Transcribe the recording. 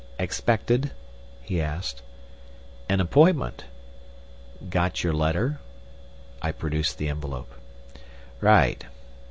"Expected?" he asked. "An appointment." "Got your letter?" I produced the envelope. "Right!"